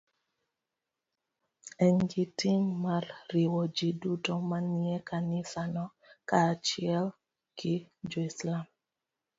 En gi ting' mar riwo ji duto manie kanisano kaachiel gi joislam.